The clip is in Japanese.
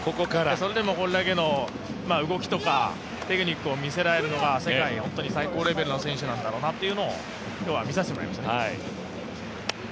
それでもこれだけの動きとかテクニックを見せられるのが、世界最高レベルの選手なんだろうなというのを今日は見させてもらいました。